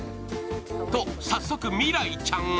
と早速、未来ちゃんが